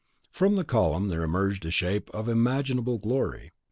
From the column there emerged a shape of unimaginable glory.